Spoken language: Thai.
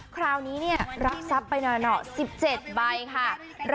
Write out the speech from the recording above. คราวนี้รับทรัพย์ไปหน่อ๑๗ใบค่ะ